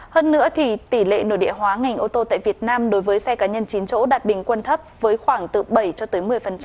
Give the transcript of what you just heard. hơn nữa thì tỷ lệ nội địa hóa ngành ô tô tại việt nam đối với xe cá nhân chín chỗ đạt bình quân thấp với khoảng từ bảy cho tới một mươi